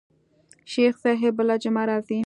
شيخ صاحب بله جمعه راځي.